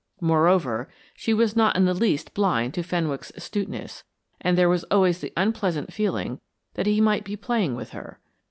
Moreover, she was not in the least blind to Fenwick's astuteness, and there was always the unpleasant feeling that he might be playing with her.